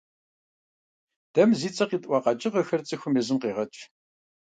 Дэ мы зи цӀэ къитӀуа къэкӀыгъэхэр цӀыхум езым къегъэкӀ.